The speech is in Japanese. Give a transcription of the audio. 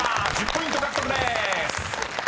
１０ポイント獲得です］